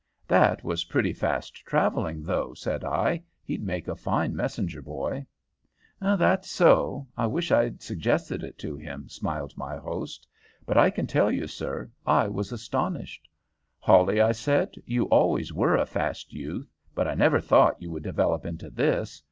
"That was pretty fast travelling, though," said I. "He'd make a fine messenger boy." "That's so. I wish I'd suggested it to him," smiled my host. "But I can tell you, sir, I was astonished. 'Hawley,' I said, 'you always were a fast youth, but I never thought you would develop into this.